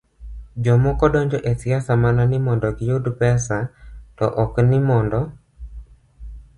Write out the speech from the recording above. Jomoko donjo e siasa mana ni mondo giyud pesa to ok ni mondo